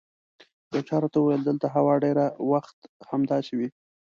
یو چا راته وویل دلته هوا ډېر وخت همداسې وي.